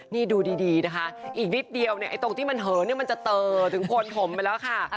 นี่ดูดีนะคะอีกนิดเดียวตรงที่มันเหอะมันจะเตอถึงคนถมไปแล้วค่ะ